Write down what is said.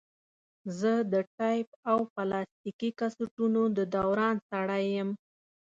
زه د ټیپ او پلاستیکي کسټونو د دوران سړی یم.